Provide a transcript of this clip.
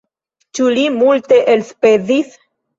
Ĉu li multe elspezis?